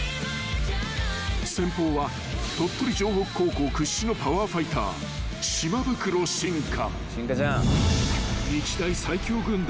［先鋒は鳥取城北高校屈指のパワーファイター島袋心海］